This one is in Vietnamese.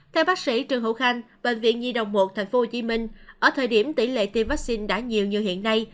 theo bác sĩ trần hữu khanh bệnh viện nhi đồng một tp hcm ở thời điểm tỷ lệ tiêm vaccine đã nhiều như hiện nay